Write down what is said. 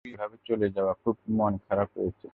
তুমি এভাবে চলে যাওয়া খুব মন খারাপ হয়েছিল।